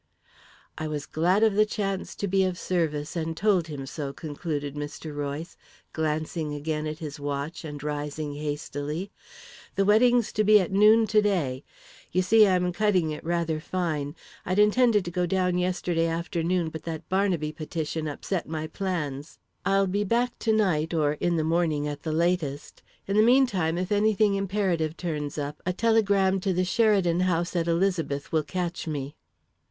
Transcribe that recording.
"I was glad of the chance to be of service and told him so," concluded Mr. Royce, glancing again at his watch and rising hastily. "The wedding's to be at noon to day. You see I'm cutting it rather fine. I'd intended to go down yesterday afternoon, but that Barnaby petition upset my plans. I'll be back to night or in the morning at the latest. In the meantime, if anything imperative turns up, a telegram to the Sheridan House at Elizabeth will catch me."